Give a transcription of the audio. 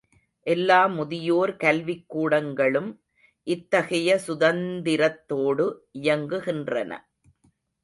எல்லா முதியோர் கல்விக் கூடங்களும் இத்தகைய சுதந்திரத்தோடு இயங்குகின்றன.